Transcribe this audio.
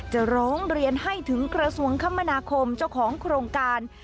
จะร้องเรียนให้ถึงกระทรวงคมนาคมเจ้าของโครงการ